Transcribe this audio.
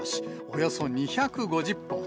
およそ２５０本。